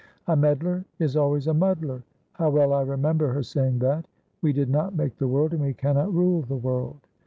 'A meddler is always a muddler;' how well I remember her saying that. We did not make the world, and we cannot rule the world.